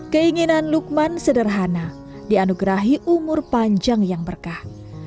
keinginan lukman sederhana dianugerahi umur panjang yang berkah